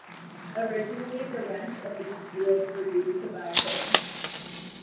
Originally the rents of these fields were used to buy coal.